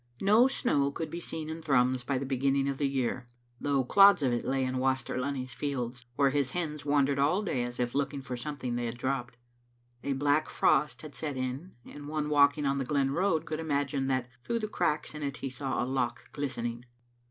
No snow could be seen in Thrums by the beginning of the year, though clods of it lay in Waster Lunny's fields, where his hens wandered all day as if looking for something they had dropped. A black frost had set in, and one walking on the glen road could imagine that through the cracks in it he saw a loch glistening.